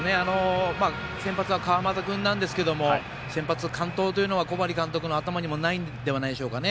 先発は川又君なんですけど先発完投というのは小針監督の頭にはないんじゃないでしょうかね。